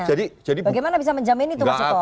bagaimana bisa menjamin itu mas sito